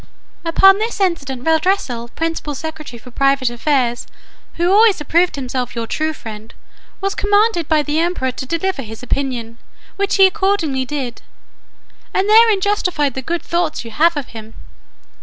"Upon this incident, Reldresal, principal secretary for private affairs, who always approved himself your true friend, was commanded by the emperor to deliver his opinion, which he accordingly did; and therein justified the good thoughts you have of him.